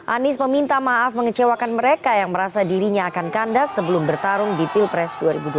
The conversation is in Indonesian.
anies meminta maaf mengecewakan mereka yang merasa dirinya akan kandas sebelum bertarung di pilpres dua ribu dua puluh